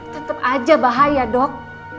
tetep aja bahaya dok